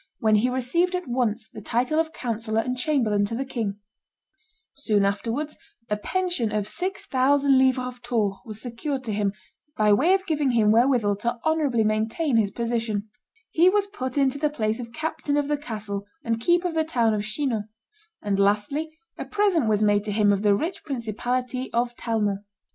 when he received at once the title of councillor and chamberlain to the king; soon afterwards a pension of six thousand livres of Tours was secured to him, by way of giving him wherewithal to honorably maintain his position; he was put into the place of captain of the castle and keep of the town of Chinon; and lastly, a present was made to him of the rich principality of Talmont."